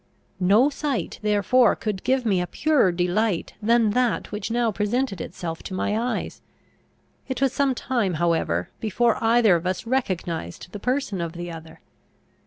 No sight therefore could give me a purer delight than that which now presented itself to my eyes. It was some time however, before either of us recognised the person of the other.